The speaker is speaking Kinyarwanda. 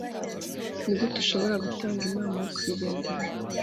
Nigute ushobora gutanga inama yo kubigenderamo?